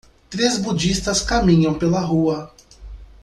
três budistas caminham pela rua.